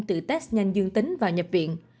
tự test nhanh dương tính vào nhập viện